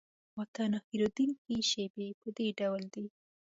اته نه هېرېدونکي شیبې په دې ډول دي.